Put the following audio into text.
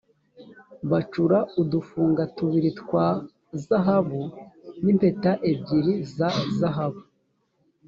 bacura udufunga tubiri twa zahabu nimpeta ebyiri za zahabu.